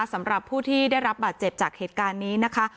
สำหรับผู้ที่ได้รับบาดเจ็บจากเหตุการณ์นี้นะคะ